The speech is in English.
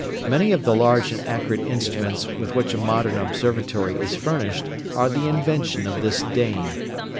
Many of the large and accurate instruments with which a modern observatory is furnished are the invention of this Dane.